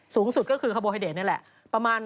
สูงสุดก็คือคาโบไฮเดตนี่แหละประมาณ